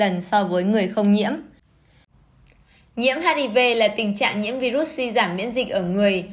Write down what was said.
nhiễm hiv là tình trạng nhiễm virus suy giảm miễn dịch ở người